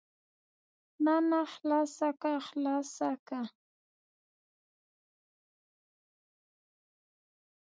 نه نه خلاصه که خلاصه که.